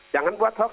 jangan buat hoax